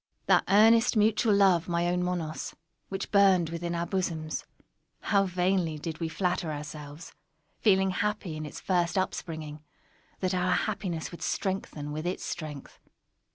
That earnest mutual love, my own Monos, which burned within our bosoms—how vainly did we flatter ourselves, feeling happy in its first up springing, that our happiness would strengthen with its strength!